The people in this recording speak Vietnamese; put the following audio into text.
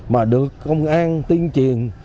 mà được công an tiên triền